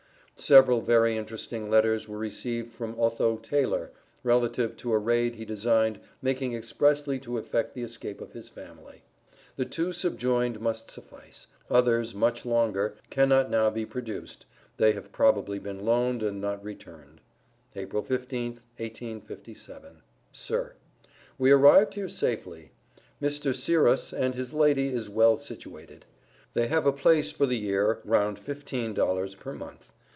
Several very interesting letters were received from Otho Taylor, relative to a raid he designed making expressly to effect the escape of his family. The two subjoined must suffice, (others, much longer, cannot now be produced, they have probably been loaned and not returned.) APRIL 15th, 1857. SIR We arrived here safely. Mr. Syrus and his lady is well situated. They have a place for the year round 15 dollars per month.